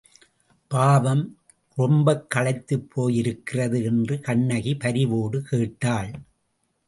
பாவம், ரொம்பக் களைத்துப்போயிருக்கிறது என்று கண்ணகி பரிவோடு கேட்டாள்.